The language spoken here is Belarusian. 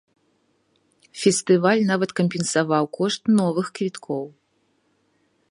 Фестываль нават кампенсаваў кошт новых квіткоў.